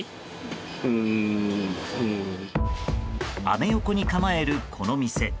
アメ横に構えるこの店。